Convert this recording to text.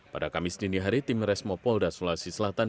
pada kamis dinihari tim resmopol dan sulawesi selatan